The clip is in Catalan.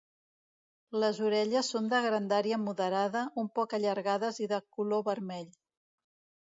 Les orelles són de grandària moderada, un poc allargades i de color vermell.